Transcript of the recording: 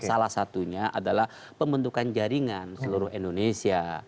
salah satunya adalah pembentukan jaringan seluruh indonesia